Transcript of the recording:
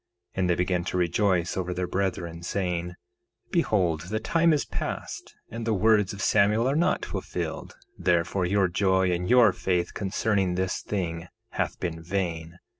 1:6 And they began to rejoice over their brethren, saying: Behold the time is past, and the words of Samuel are not fulfilled; therefore, your joy and your faith concerning this thing hath been vain.